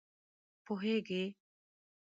پوهېږې!